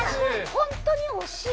本当に惜しい。